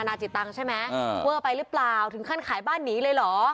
นาจิตังใช่ไหมเวอร์ไปหรือเปล่าถึงขั้นขายบ้านหนีเลยเหรอ